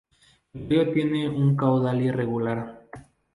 El río tiene un caudal irregular.